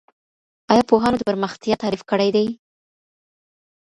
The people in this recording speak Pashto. ایا پوهانو د پرمختیا تعریف کړی دی؟